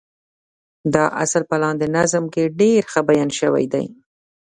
دا اصل په لاندې نظم کې ډېر ښه بيان شوی دی.